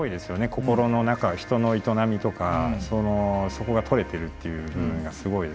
心の中人の営みとかそこが撮れてるっていう部分がすごいですもんね。